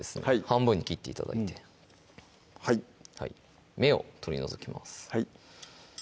半分に切って頂いてはい芽を取り除きます